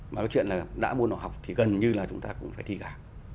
mà cái chuyện là đã môn nào học thì gần như là chúng ta cũng phải thi cả